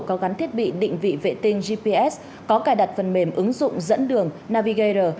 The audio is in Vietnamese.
có gắn thiết bị định vị vệ tinh gps có cài đặt phần mềm ứng dụng dẫn đường naviga